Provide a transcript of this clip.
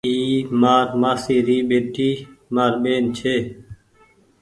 اي مآر مآسي ري ٻيٽي مآر ٻيهن ڇي۔